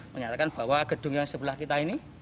menyatakan bahwa gedung yang sebelah kita ini